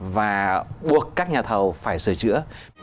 và buộc các nhà thầu phải sửa chữa